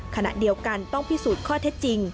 ขณะเดียวกันต้องพิสูจน์ข้อเท็จจริง